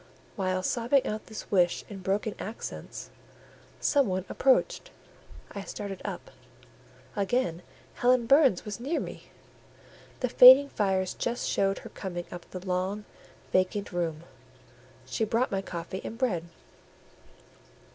While sobbing out this wish in broken accents, some one approached: I started up—again Helen Burns was near me; the fading fires just showed her coming up the long, vacant room; she brought my coffee and bread.